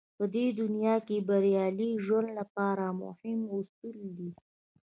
په دې دنيا کې بريالي ژوند لپاره مهم اصول دی.